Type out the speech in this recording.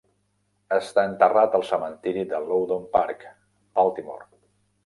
Està enterrat al cementiri de Loudon Park, Baltimore.